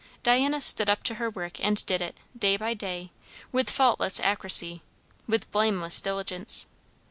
Diana stood up to her work and did it, day by day, with faultless accuracy, with blameless diligence.